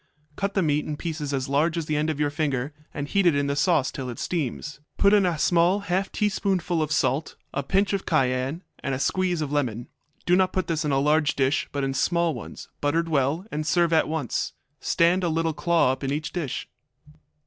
Cut the meat in pieces as large as the end of your finger, and heat it in the sauce till it steams. Put in a small half teaspoonful of salt, a pinch of cayenne, and a squeeze of lemon. Do not put this in a large dish, but in small ones, buttered well, and serve at once. Stand a little claw up in each dish.